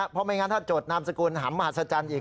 เพราะไม่งั้นถ้าจดนามสกุลหำมหัศจรรย์อีก